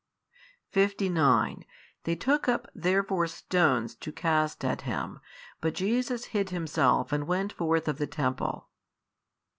59 They took up therefore stones to cast at Him, but Jesus hid Himself and went forth of the temple.